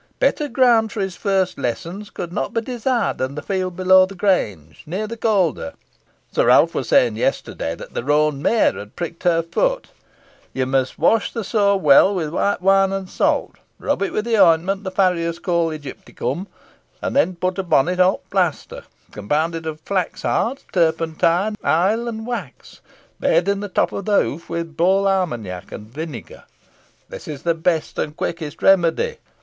Better ground for his first lessons could not be desired than the field below the grange, near the Calder. Sir Ralph was saying yesterday, that the roan mare had pricked her foot. You must wash the sore well with white wine and salt, rub it with the ointment the farriers call ægyptiacum, and then put upon it a hot plaster compounded of flax hards, turpentine, oil and wax, bathing the top of the hoof with bole armeniac and vinegar. This is the best and quickest remedy.